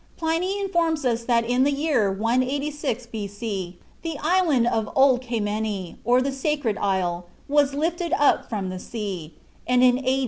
Pliny informs us that in the year 186 B.C. the island of "Old Kaimeni," or the Sacred Isle, was lifted up from the sea; and in A.